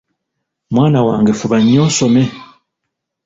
Mwana wange fuba nnyo osome.